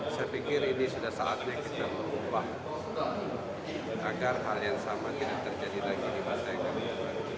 saya pikir ini sudah saatnya kita berubah agar hal yang sama tidak terjadi lagi di masa yang kami lakukan